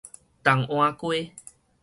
同安街